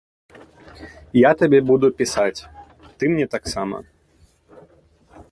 Я табе буду пісаць, ты мне таксама.